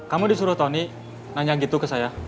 kamu disuruh tony nanya gitu ke saya